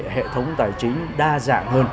hệ thống tài chính đa dạng hơn